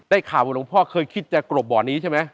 ข่าวว่าหลวงพ่อเคยคิดจะกรบบ่อนี้ใช่ไหม